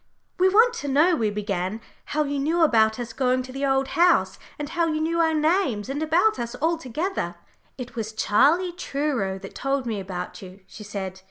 "We want to know," we began, "how you knew about us going to the the Old House, and how you knew our names and about us altogether." "It was Charlie Truro that told me about you," she said.